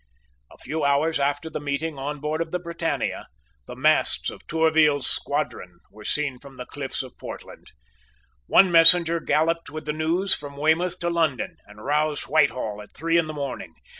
A few hours after the meeting on board of the Britannia the masts of Tourville's squadron were seen from the cliffs of Portland. One messenger galloped with the news from Weymouth to London, and roused Whitehall at three in the morning.